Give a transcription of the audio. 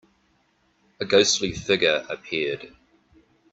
A ghostly figure appeared.